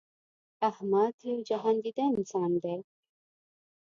احمد یو جهان دیده انسان دی.